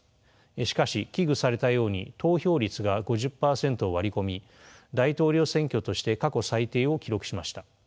しかし危惧されたように投票率が５０％を割り込み大統領選挙として過去最低を記録しました。